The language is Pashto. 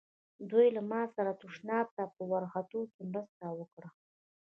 دوی له ما سره تشناب ته په ورختو کې مرسته وکړه.